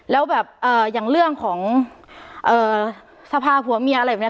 แล้วแบบอย่างเรื่องของสภาผัวเมียอะไรแบบนี้